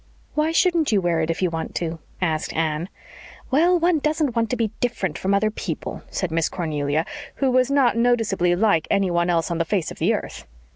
"Why shouldn't you wear it if you want to?" asked Anne. "Well, one doesn't want to be different from other people," said Miss Cornelia, who was not noticeably like anyone else on the face of the earth.